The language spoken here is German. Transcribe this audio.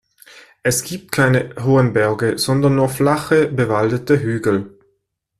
Es gibt keine hohen Berge, sondern nur flache, bewaldete Hügel.